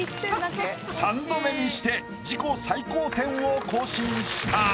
３度目にして自己最高点を更新した。